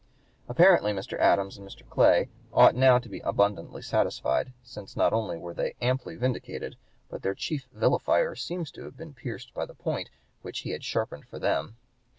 Apparently Mr. Adams and Mr. Clay ought now to be abundantly satisfied, since not only were they amply vindicated, but their chief vilifier seemed to have been pierced by the point which he had sharpened for them.